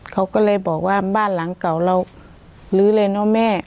เขาก็เลยบอกว่าบ้านหลังเก่าเราลื้อเลยเนอะแม่